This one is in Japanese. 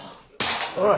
おい。